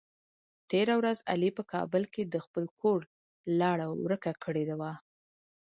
تېره ورځ علي په کابل کې د خپل کور لاره ور که کړې وه.